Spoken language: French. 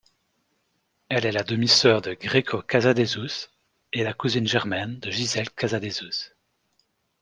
Elle est la demi-sœur de Gréco Casadesus et la cousine germaine de Gisèle Casadesus.